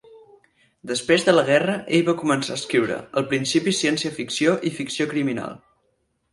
Després de la guerra, ell va començar a escriure, al principi ciència ficció i ficció criminal.